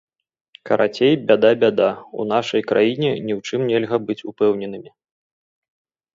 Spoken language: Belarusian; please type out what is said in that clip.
Карацей, бяда-бяда, у нашай краіне ні ў чым нельга быць упэўненымі.